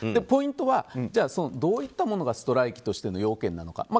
ポイントは、どういったものがストライキとしての要件なのか。